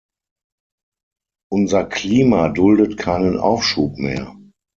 Unser Klima duldet keinen Aufschub mehr.